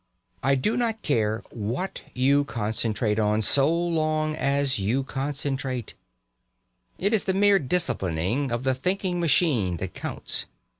I do not care what you concentrate on, so long as you concentrate. It is the mere disciplining of the thinking machine that counts.